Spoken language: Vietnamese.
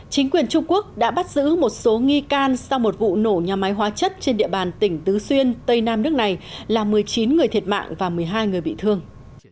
chính quyền trung quốc đã bắt giữ một số nghi can sau một vụ nổ nhà máy hóa chất trên địa bàn tỉnh tứ xuyên tây nam nước này là một mươi chín người thiệt mạng và một mươi hai người bị thương